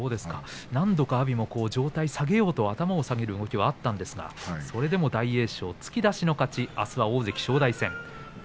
なんとか阿炎も上体を下げようと頭を下げる動きがあったんですが、それでも大栄翔、突き出しの勝ち。